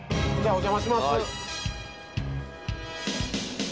お邪魔します。